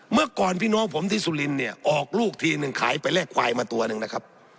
เมื่อก่อนพี่น้องผมที่สุรินเนี่ยออกลูกทีนึงขายไปแลกควายมาตัวหนึ่งนะครับ